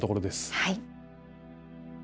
はい。